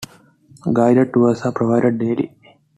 Guided tours are provided daily.